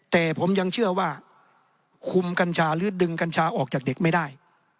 แต่ผมยังเชื่อว่าคุมกัญชาหรือดึงกัญชาออกจากเด็กไม่ได้